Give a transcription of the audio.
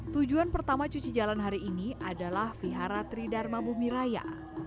tujuan pertama cuci jalan hari ini adalah vihara tridharma bumi raya